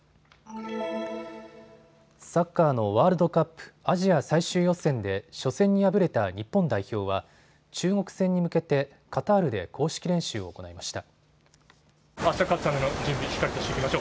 サッカーのワールドカップ、アジア最終予選で初戦に敗れた日本代表は中国戦に向けてカタールで公式練習を行いました。